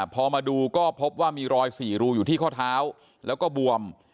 พอมาดูก็พบว่ามีรอย๔รูอยู่ที่ข้อเท้าแล้วก็บวม